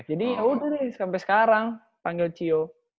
jadi ya udah deh sampai sekarang panggil cio